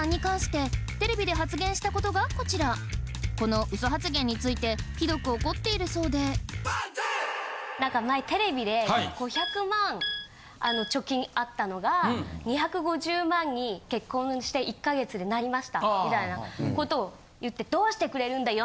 このウソ発言についてひどく怒っているそうで前テレビで５００万貯金あったのが２５０万に結婚して１か月でなりましたみたいな事を言って「どうしてくれるんだ嫁！」